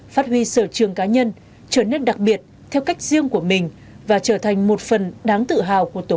phát huy sở trường cá nhân trở nên đặc biệt theo cách riêng của mình và trở thành một phần đáng tự hào của tổ quốc